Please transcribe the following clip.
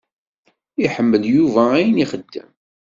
Iḥemmel Yuba ayen ixeddem.